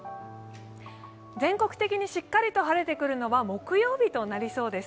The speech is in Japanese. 全国的にしっかりと晴れてくるのは木曜日となりそうです。